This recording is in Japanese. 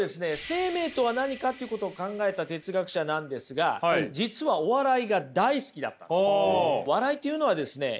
生命とは何かっていうことを考えた哲学者なんですが実はお笑いが大好きだったんです。